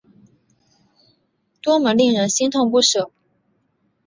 多么令人心痛不舍